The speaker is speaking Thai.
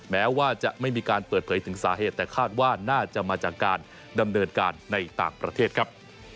แม้ว่าจะไม่มีการเปิดเผยถึงสาเหตุแต่คาดว่าน่าจะมาจากการดำเนินการในต่างประเทศครับ